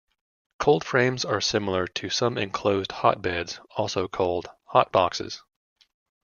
Cold frames are similar to some enclosed hotbeds, also called hotboxes.